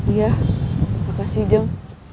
iya makasih jeng